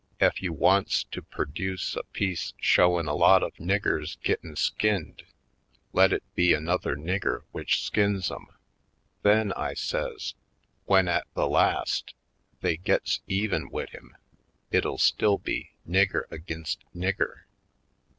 Ef you wants to perduce a piece showin' a lot of niggers 138 /o PoindexteTj Colored gittin' skinned, let it be another nigger w'ich skins 'em. Then," I says, "w'en, at the last, they gits even wid him it'll still be nigger ag'inst nigger.